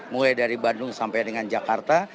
mulai dari bandung sampai dengan jakarta